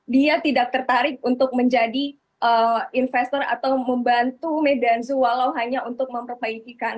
dia tidak tertarik untuk menjadi investor atau membantu medan zoo walau hanya untuk memperbaiki